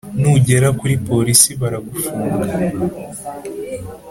nugera kuri police baragufunga